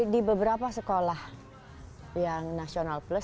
di beberapa sekolah yang nasional plus